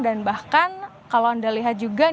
dan bahkan kalau anda lihat juga